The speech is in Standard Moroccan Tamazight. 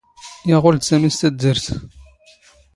ⵢⵓⵖⴰⵍ ⴷ ⵙⴰⵎⵉ ⵙ ⵜⴰⴷⴷⴰⵔⵜ.